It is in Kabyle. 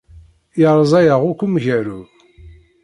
Yerza-yaɣ akk umgaru.